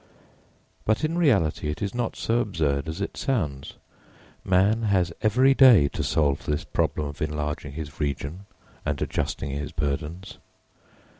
But, in reality, it is not so absurd as it sounds. Man has every day to solve this problem of enlarging his region and adjusting his burdens.